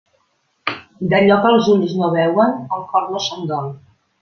D'allò que els ulls no veuen, el cor no se'n dol.